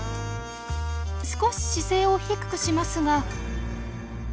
少し姿勢を低くしますが。